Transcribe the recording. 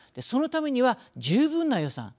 そのためには、十分な予算